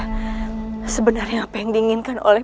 sebenarnya apa yang diinginkan niata para zasadik uang tuhan untuk